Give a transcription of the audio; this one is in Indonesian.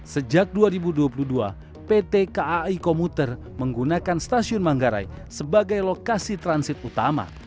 sejak dua ribu dua puluh dua pt kai komuter menggunakan stasiun manggarai sebagai lokasi transit utama